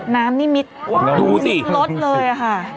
น้ำนี่มิดมิดลดเลยค่ะ